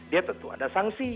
dia tentu ada sanksi